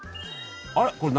あれ？